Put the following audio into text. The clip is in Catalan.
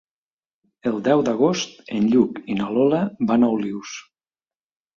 El deu d'agost en Lluc i na Lola van a Olius.